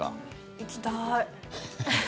行きたい。